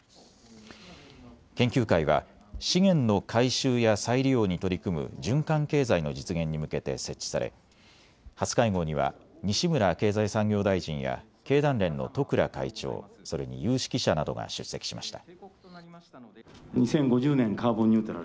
研究会は資源の回収や再利用に取り組む循環経済の実現に向けて設置され初会合には西村経済産業大臣や経団連の十倉会長、それに有識者などが出席しました。